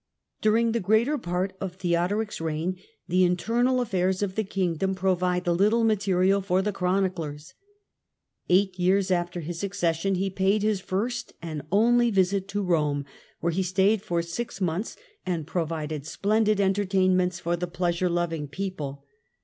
During the greater part of Theodoric's reign the in ternal affairs of the kingdom provide little material for :he chroniclers. Eight years after his accession he paid lis first and only visit to Eome, where he stayed for six nonths, and provided splendid entertainments for the pleasure loving people.